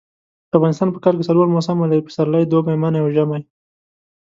افغانستان په کال کي څلور موسمه لري . پسرلی دوبی منی او ژمی